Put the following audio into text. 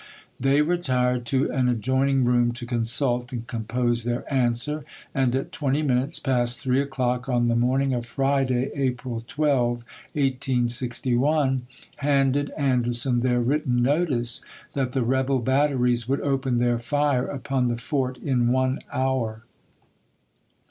They retired to an adjoining room to consult and compose their answer, and at twenty minutes past three o'clock on the morning of Friday, April 12, 1861, handed Anderson their wi^itten notice that the rebel batteries would open their fire upon the fort in one hour.